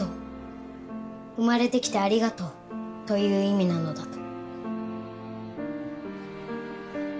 「生まれてきてありがとう」という意味なのだと。